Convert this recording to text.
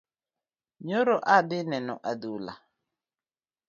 Nyoro adhi neno adhula.